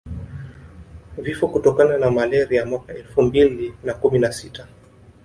Vifo kutokana na malaria mwaka elfu mbili na kumi na sita